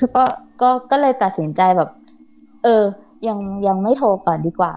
ก็เลยตัดสินใจแบบเออยังไม่โทรก่อนดีกว่า